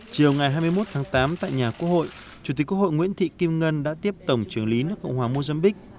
chiều ngày hai mươi một tháng tám tại nhà quốc hội chủ tịch quốc hội nguyễn thị kim ngân đã tiếp tổng trưởng lý nước cộng hòa mozambique